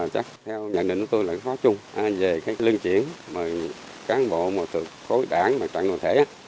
theo nhận định của tôi là khó chung về cái luân chuyển cán bộ mà từ khối đảng mà trận nội thể